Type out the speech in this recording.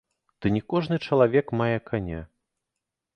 Ды не кожны чалавек мае каня.